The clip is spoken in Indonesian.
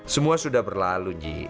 semua sudah berlalu ji